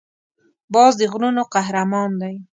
باز د غرونو قهرمان دی